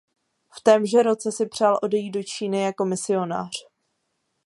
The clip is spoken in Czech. V témže roce si přál odejít do Číny jako misionář.